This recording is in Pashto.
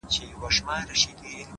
پرمختګ له زړورتیا ځواک اخلي،